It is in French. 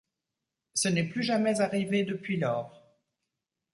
Ce n'est plus jamais arrivé depuis lors.